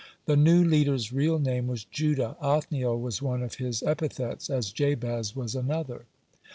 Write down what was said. The new leader's real name was Judah; Othniel was one of his epithets, as Jabez was another.